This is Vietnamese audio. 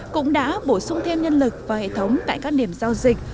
cũng đã bổ sung thêm nhân lực và hệ thống tại các điểm giao dịch